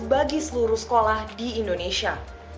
bagi seluruh sekolah di indonesia